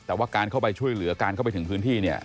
แต่ว่าการเข้าไปช่วยเหลือการเข้าไปถึงพื้นที่เนี่ย